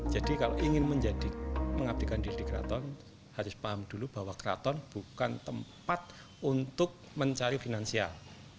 jadi kalau ingin menjadi mengabdikan diri di keraton harus paham dulu bahwa keraton bukan tempat untuk mencari finansial